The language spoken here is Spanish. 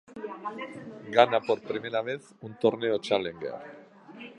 Gana por primera vez un torneo challenger.